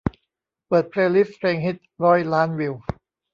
เปิดเพลย์ลิสต์เพลงฮิตร้อยล้านวิว